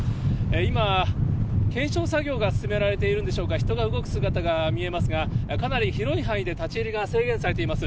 今、検証作業が進められているんでしょうか、人が動く姿が見えますが、かなり広い範囲で立ち入りが制限されています。